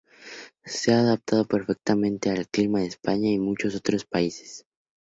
Se ha adaptado perfectamente al clima de España, y muchos otros países.